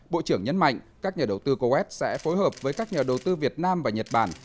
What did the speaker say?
bộ trưởng nhấn mạnh các nhà đầu tư coes sẽ phối hợp với các nhà đầu tư việt nam và nhật bản